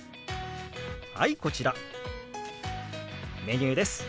はいこちらメニューです。